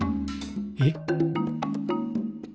えっ？